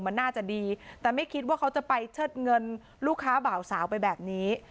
มันน่าจะดีแต่ไม่คิดว่าเขาจะไปเชิดเงินลูกค้าบ่าวสาวไปแบบนี้